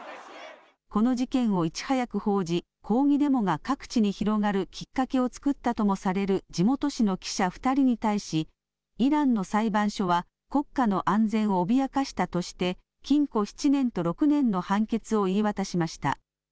この事件をいち早く報じ抗議デモが各地に広がるきっかけを作ったともされる地元紙の記者、２人に対しイランの裁判所は国家の安全を脅かしたとして禁錮７年と６年の判決を言い渡しました。